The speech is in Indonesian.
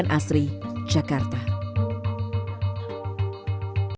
maka kita bisa mempercayai hal hal yang sebetulnya